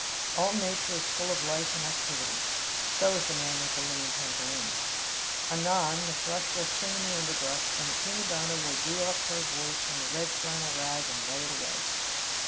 All nature is full of life and activity. So is the man with the linen pantaloons. Anon, the thrush will sing in the underbrush, and the prima donna will do up her voice in a red flannel rag and lay it away.